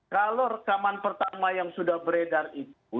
kalau rekaman pertama yang sudah beredar itu